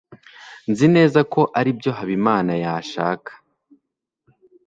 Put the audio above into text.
nzi neza ko aribyo habimana yashaka